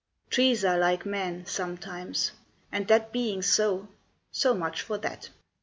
"Trees are like men, sometimes; and that being so, So much for that."